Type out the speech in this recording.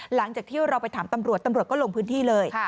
หลังจากที่เราไปถามตำรวจตำรวจก็ลงพื้นที่เลย